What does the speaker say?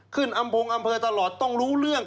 อำพงอำเภอตลอดต้องรู้เรื่อง